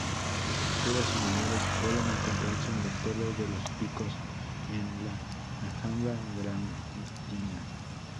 Estructuras similares pueden encontrarse en la torre de los Picos en la Alhambra granadina.